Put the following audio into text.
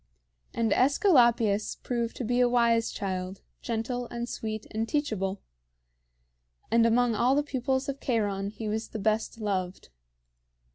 And AEsculapius proved to be a wise child, gentle and sweet and teachable; and among all the pupils of Cheiron he was the best loved.